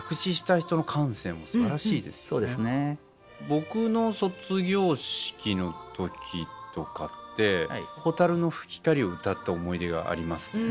僕の卒業式の時とかって「蛍の光」を歌った思い出がありますね。